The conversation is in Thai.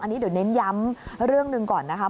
อันนี้เดี๋ยวเน้นย้ำเรื่องหนึ่งก่อนนะครับ